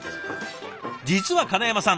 実は金山さん